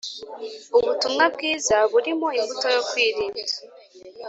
Ubutumwa bwiza burimo imbuto yo kwirinda